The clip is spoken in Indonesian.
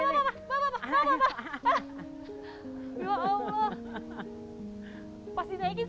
aduh gak ada remnya